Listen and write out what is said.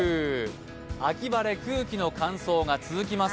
秋晴れ、空気の乾燥が続きます。